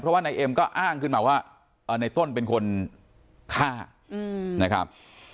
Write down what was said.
เพราะว่านายเอ็มก็อ้างขึ้นมาว่าในต้นเป็นคนฆ่านะครับ